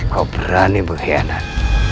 kau berani mengkhianat